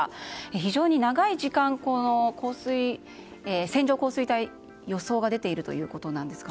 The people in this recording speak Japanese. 非常に長い時間、線状降水帯の予想が出ているということですか。